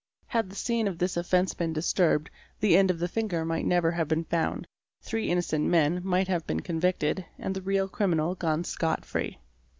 Had the scene of this offence been disturbed, the end of the finger might never have been found, three innocent men might have been convicted, and the real criminal gone scotfree.